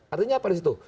artinya apa di situ